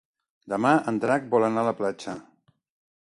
Demà en Drac vol anar a la platja.